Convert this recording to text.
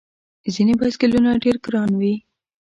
ځینې بایسکلونه ډېر ګران وي.